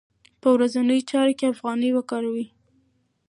په ورځنیو چارو کې افغانۍ وکاروئ.